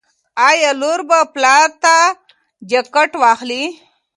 ایا لور به پلار ته جاکټ واخلي؟